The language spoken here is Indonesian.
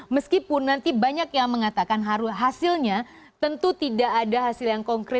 meskipun nanti banyak yang mengatakan hasilnya tentu tidak ada hasil yang konkret